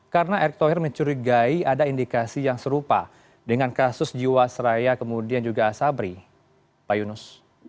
karena erick thohir mencurigai ada indikasi yang serupa dengan kasus jiwasraya kemudian juga asabri pak yunus